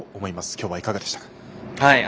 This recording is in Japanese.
今日はいかがでしたか？